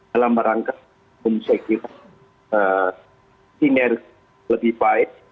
dalam rangka umum sekitar senior lebih baik